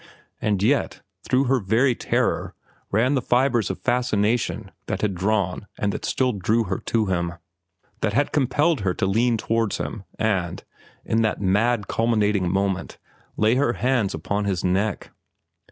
And yet, through her very terror ran the fibres of fascination that had drawn and that still drew her to him—that had compelled her to lean towards him, and, in that mad, culminating moment, lay her hands upon his neck.